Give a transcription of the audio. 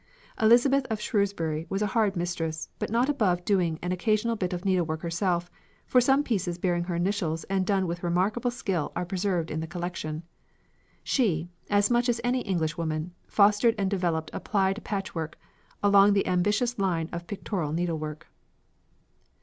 Elizabeth of Shrewsbury was a hard mistress, but not above doing an occasional bit of needlework herself, for some pieces bearing her initials and done with remarkable skill are preserved in the collection. She, as much as any Englishwoman, fostered and developed applied patchwork along the ambitious line of pictorial needlework.